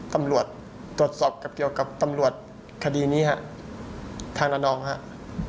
ตรวจสอบเกี่ยวกับตำรวจคดีนี้ครับทางรณองครับ